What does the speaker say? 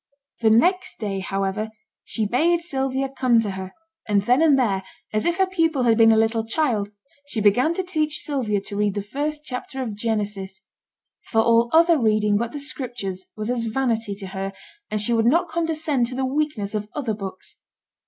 The next day, however, she bade Sylvia come to her, and then and there, as if her pupil had been a little child, she began to teach Sylvia to read the first chapter of Genesis; for all other reading but the Scriptures was as vanity to her, and she would not condescend to the weakness of other books.